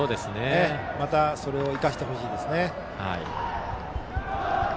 またそれを生かしてほしいですね。